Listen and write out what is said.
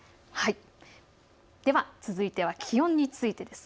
では続いては気温についてです。